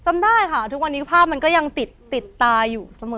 จำได้ค่ะทุกวันนี้ภาพมันก็ยังติดตาอยู่เสมอ